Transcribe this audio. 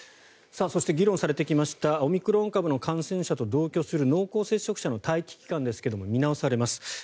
そして、議論されてきましたオミクロン株の感染者と同居する濃厚接触者の待機期間ですが見直されます。